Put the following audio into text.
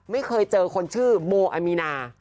ไม่เคยเจอคนชื่อโมอามีนา